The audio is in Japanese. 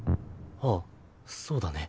ああそうだね。